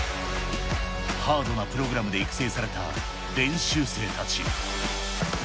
ハードなプログラムで育成された練習生たち。